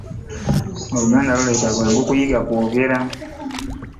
Oluganda lulabika lwangu kuyiga kwogera.